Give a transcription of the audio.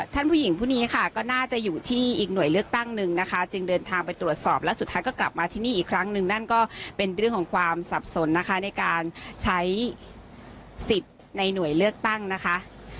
ผู้หญิงผู้นี้ค่ะก็น่าจะอยู่ที่อีกหน่วยเลือกตั้งหนึ่งนะคะจึงเดินทางไปตรวจสอบแล้วสุดท้ายก็กลับมาที่นี่อีกครั้งหนึ่งนั่นก็เป็นเรื่องของความสับสนนะคะในการใช้สิทธิ์ในหน่วยเลือกตั้งนะคะ